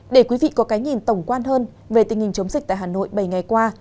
để quý vị có cái nhìn tổng quan hơn về tình hình chống dịch tại hà nội bảy ngày qua